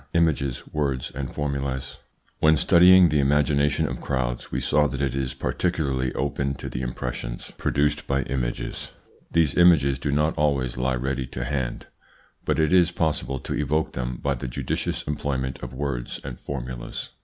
IMAGES, WORDS, AND FORMULAS When studying the imagination of crowds we saw that it is particularly open to the impressions produced by images. These images do not always lie ready to hand, but it is possible to evoke them by the judicious employment of words and formulas.